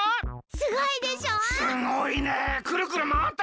すごいでしょ！